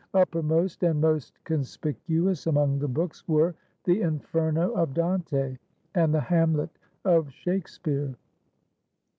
Uppermost and most conspicuous among the books were the Inferno of Dante, and the Hamlet of Shakspeare.